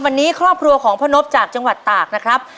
วันนี้ครอบครัวของพ่อนพจากจังหวัดตากนะครับ